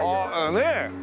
ねえ。